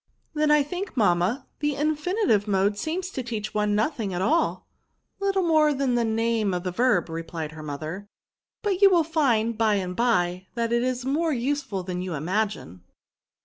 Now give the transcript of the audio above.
" Then, I think, mamma, the infinitive mode seems to teach one nothiog at aU/' '* Little more than the name of the verb,*^ replied her mother ;" but you will find, by and by, that it is more useful than you ima gine."